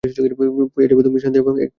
পেয়ে যাবে তুমি শান্তি, একবার হাত বারাও না।